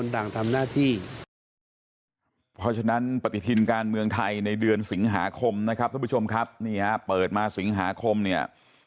ได้เพราะใน